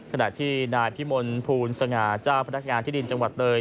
ขณะที่นายพิมลภูลสง่าเจ้าพนักงานที่ดินจังหวัดเลย